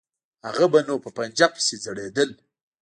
هغه به نو په پنجه پسې ځړېدل.